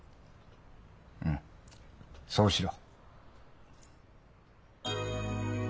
うんそうしろ。